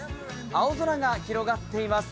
青空が広がっています。